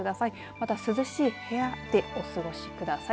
また涼しい部屋でお過ごしください。